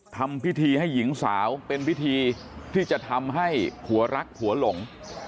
ทำพิธีให้หญิงสาวเป็นพิธีที่จะทำให้ผัวรักผัวหลง